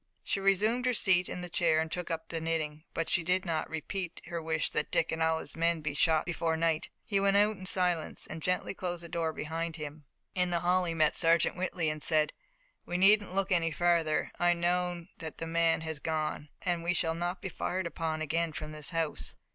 She resumed her seat in the chair and took up the knitting. But she did not repeat her wish that Dick and all his men be shot before night. He went out in silence, and gently closed the door behind him. In the hall he met Sergeant Whitley and said: "We needn't look any farther. I know now that the man has gone and we shall not be fired upon again from this house."